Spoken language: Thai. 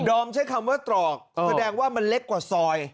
ใช้คำว่าตรอกแสดงว่ามันเล็กกว่าซอย